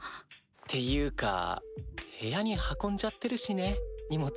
っていうか部屋に運んじゃってるしね荷物。